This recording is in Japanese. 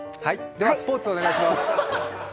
ではスポーツお願いします。